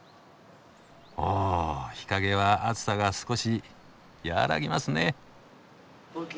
お日陰は暑さが少し和らぎますね。